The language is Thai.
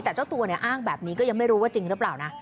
แต่เจ้าตัวเนี่ยอ้างแบบนี้ก็ยังไม่รู้ว่าจริงหรือเปล่านะ